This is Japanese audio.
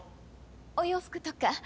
お洋服とか。